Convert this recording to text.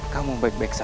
kamu baik baik saja